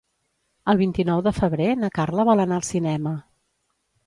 El vint-i-nou de febrer na Carla vol anar al cinema.